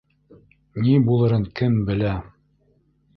Ни булырын кем белә...